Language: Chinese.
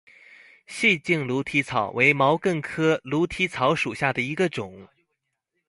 细茎驴蹄草为毛茛科驴蹄草属下的一个种。